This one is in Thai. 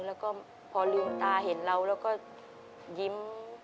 แล้วก็พอลืมตาเห็นเราแล้วก็ยิ้ม